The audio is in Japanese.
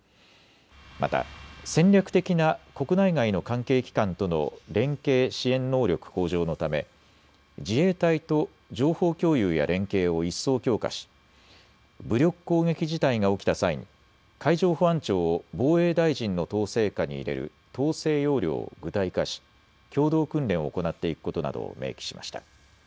また、戦略的な国内外の関係機関との連携・支援能力向上のため自衛隊と情報共有や連携を一層強化し武力攻撃事態が起きた際に海上保安庁を防衛大臣の統制下に入れる統制要領を具体化し共同訓練を行っていくことなどを明記しました。